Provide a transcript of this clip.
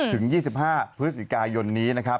ถึง๒๕พฤศจิกายนนี้นะครับ